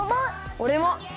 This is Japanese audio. おれも！